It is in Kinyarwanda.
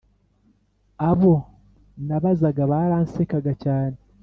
abo nabazaga baransekaga cyane